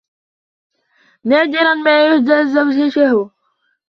نادرًا ما يهدي زوجته.